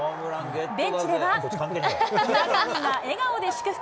ベンチでは、村上が笑顔で祝福。